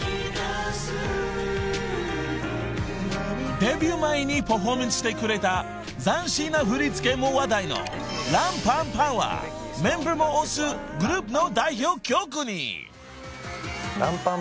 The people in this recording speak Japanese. ［デビュー前にパフォーマンスしてくれた斬新な振り付けも話題の『ＲＡＭ−ＰＡＭ−ＰＡＭ』はメンバーも推すグループの代表曲に］